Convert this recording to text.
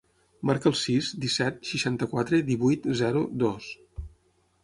Marca el sis, disset, seixanta-quatre, divuit, zero, dos.